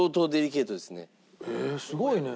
ええーすごいね！